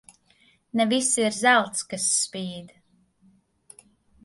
Ne viss ir zelts, kas spīd.